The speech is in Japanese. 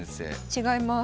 違います。